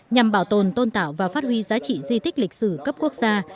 nhằm bảo tồn tôn tạo và phát huy giá trị di tích lịch sử cấp quốc gia